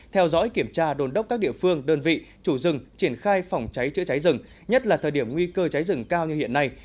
theo dõi kiểm tra đồn đốc các địa phương đơn vị chủ rừng triển khai phòng cháy chữa cháy rừng nhất là thời điểm nguy cơ cháy rừng cao như hiện nay